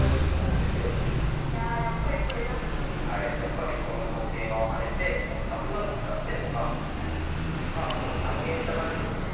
やっぱりこの桂馬を跳ねてこの角がぶつかってるのがまあこの三間飛車側にとってね